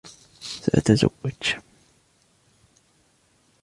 سأتزوج.